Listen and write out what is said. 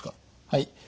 はい。